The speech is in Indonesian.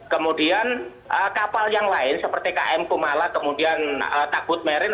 kemudian kapal yang lain seperti km kumala kemudian takbut merin